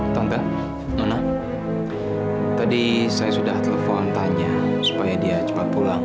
tante nonak tadi saya sudah telepon tanya supaya dia cepat pulang